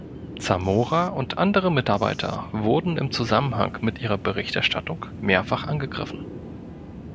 Zamora und andere Mitarbeiter wurden im Zusammenhang mit ihrer Berichterstattung mehrfach angegriffen.